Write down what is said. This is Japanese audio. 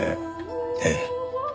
ええ。